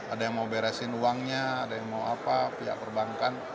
ada yang mau beresin uangnya ada yang mau apa pihak perbankan